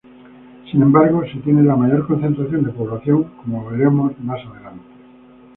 Sin embargo se tiene la mayor concentración de población, como veremos más adelante.